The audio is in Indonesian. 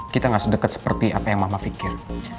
kita gak sedekat seperti apa yang mama pikir